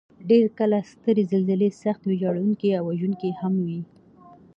ډېر کله سترې زلزلې سخت ویجاړونکي او وژونکي هم وي.